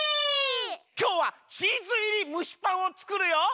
きょうはチーズいりむしパンをつくるよ。